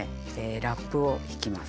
ラップをひきます。